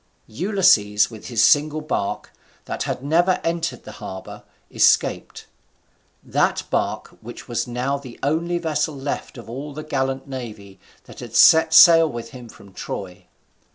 Ulysses with his single bark, that had never entered the harbour, escaped; that bark which was now the only vessel left of all the gallant navy that had set sail with him from Troy.